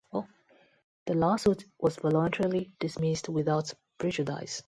The lawsuit was voluntarily dismissed without prejudice.